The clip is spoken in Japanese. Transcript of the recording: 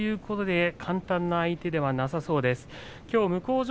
簡単な相手ではなさそうです